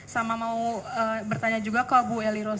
sama mau bertanya juga ke ibu elirola